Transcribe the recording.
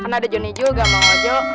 kan ada joni juga ma'am ojo